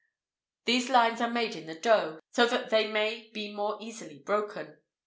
[IV 66] These lines are made in the dough, so that they may be more easily broken.